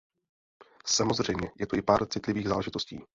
Samozřejmě, je tu i pár citlivých záležitostí.